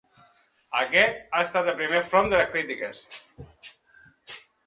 Aquest ha estat el primer front de les crítiques.